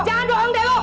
jangan doang deh lo